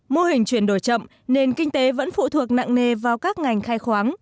mô hình chuyển đổi chậm nên kinh tế vẫn phụ thuộc nặng nề vào các ngành khai khoáng